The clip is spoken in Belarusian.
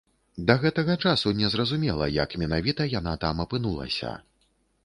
Да гэтага часу незразумела, як менавіта яна там апынулася.